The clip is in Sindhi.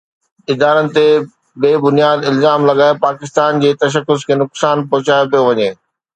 ادارن تي بي بنياد الزام لڳائي پاڪستان جي تشخص کي نقصان پهچايو پيو وڃي